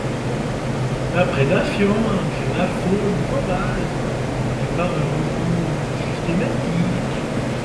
La prédation sur la faune sauvage n'est pas un recours systématique.